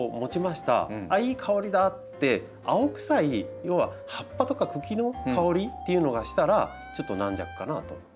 「ああいい香りだ」って青臭い要は葉っぱとか茎の香りというのがしたらちょっと軟弱かなと。